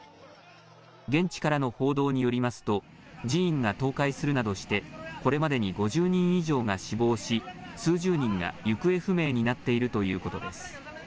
現地からの報道によりますと寺院が倒壊するなどしてこれまでに５０人以上が死亡し数十人が行方不明になっているということです。